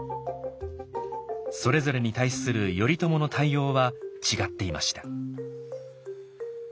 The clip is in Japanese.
それぞれに対する頼朝の対応は違っていました。